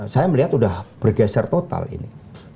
saya melihat sudah bergeser total ini